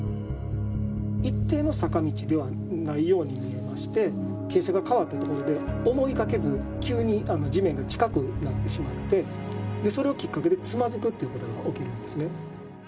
一定の坂道ではないように見えまして、傾斜が変わった所で、思いがけず、急に地面が近くなってしまって、それをきっかけでつまずくってことが起きるんですね。